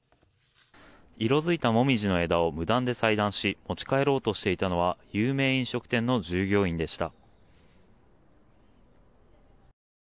色づいたモミジの枝を無断で裁断し持ち帰ろうとしていたのは有名飲食店の従業員でした。